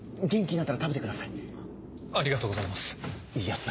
元気になったら食べてください。